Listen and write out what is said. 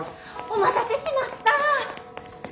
お待たせしました！